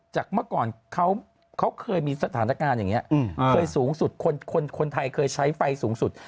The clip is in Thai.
เมื่อก่อนเขาเคยมีสถานการณ์อย่างนี้เคยสูงสุดคนไทยเคยใช้ไฟสูงสุด